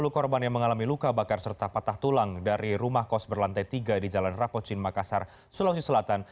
sepuluh korban yang mengalami luka bakar serta patah tulang dari rumah kos berlantai tiga di jalan rapocin makassar sulawesi selatan